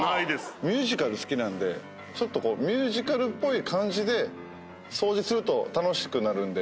⁉ミュージカル好きなんでちょっとミュージカルっぽい感じで掃除すると楽しくなるんで。